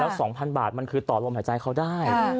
แล้ว๒๐๐๐บาทค่ะมันคือตอบรมใจใจเขาได้